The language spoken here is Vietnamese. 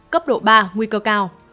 cấp độ ba nguy cơ cao